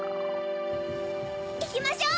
いきましょう！